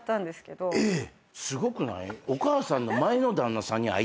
すごくない？